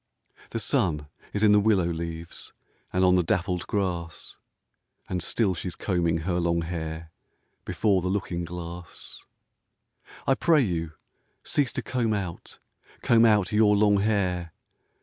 The sun is in the willow leaves And on the dappled grass, And still she's combing her long hair Before the looking glass. I pray you, cease to comb out, Comb out your long hair.